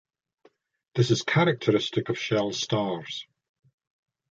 This is characteristic of shell stars.